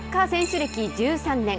歴１３年。